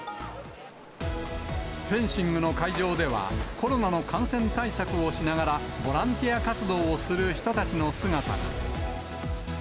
フェンシングの会場では、コロナの感染対策をしながら、ボランティア活動をする人たちの姿が。